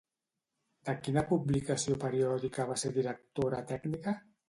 De quina publicació periòdica va ser directora tècnica?